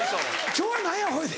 「今日は何や？ほいで」